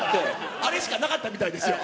あれしかなかったみたいですよ。